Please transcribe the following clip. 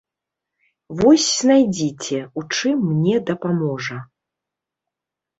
Вось знайдзіце, у чым мне дапаможа.